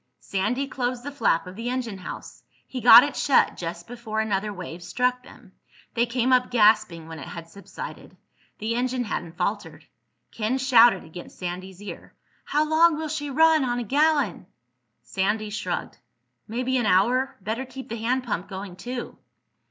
Sandy closed the flap of the engine house. He got it shut just before another wave struck them. They came up gasping when it had subsided. The engine hadn't faltered. Ken shouted against Sandy's ear. "How long will she run on a gallon?" Sandy shrugged. "Maybe an hour. Better keep the hand pump going too."